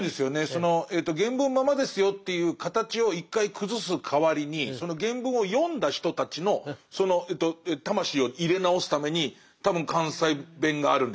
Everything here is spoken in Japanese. その原文のままですよという形を一回崩す代わりにその原文を読んだ人たちの魂を入れ直すために多分関西弁があるんでしょうね。